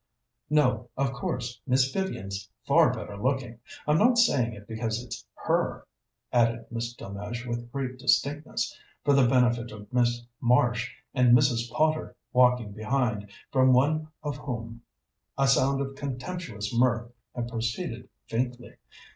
"No. Of course, Miss Vivian's far better looking. I'm not saying it because it's her," added Miss Delmege with great distinctness, for the benefit of Miss Marsh and Mrs. Potter, walking behind, from one of whom a sound of contemptuous mirth had proceeded faintly.